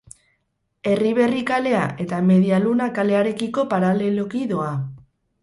Erriberri kalea eta Media Luna kalearekiko paraleloki doa.